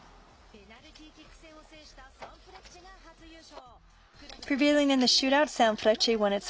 ペナルティーキック戦を制したサンフレッチェが初優勝。